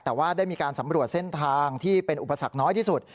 แต่ว่าได้มีการสำรวจเส้นทางที่เป็นอุปสรรคน้อยที่สุด